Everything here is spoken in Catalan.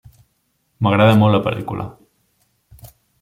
M'agrada molt la pel·lícula.